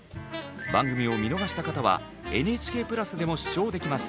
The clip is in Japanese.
番組を見逃した方はＮＨＫプラスでも視聴できます。